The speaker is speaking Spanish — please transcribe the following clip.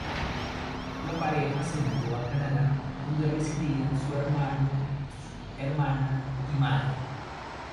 La pareja se mudó a Canadá, donde residían su hermano, hermana y madre.